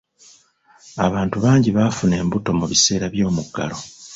Abantu bangi baafuna embuto mu biseera by'omuggalo.